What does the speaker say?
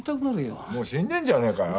もう死んでんじゃねえかよ。